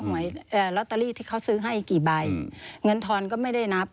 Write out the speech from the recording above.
ลอตเตอรี่ที่เขาซื้อให้กี่ใบเงินทอนก็ไม่ได้นับ